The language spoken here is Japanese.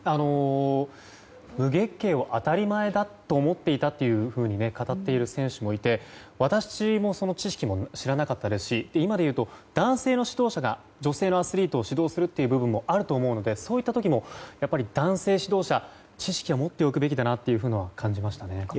無月経を当たり前だと思っていたと語っている選手もいて私もその知識を知らなかったですし今でいうと男性の指導者が女性のアスリートを指導する部分もあると思うのでそういった時も男性指導者は知識を持っておくべきだなと感じましたね。